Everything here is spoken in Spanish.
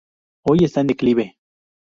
Hoy está en declive.